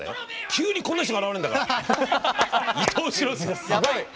急にこんな人が現れるんだから伊東四朗さん。